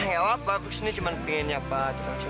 eh udah pak eh beli simpanin nggak pakai karakter